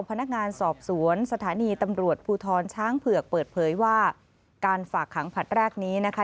พนักงานสอบสวนสถานีตำรวจภูทรช้างเผือกเปิดเผยว่าการฝากขังผลัดแรกนี้นะคะ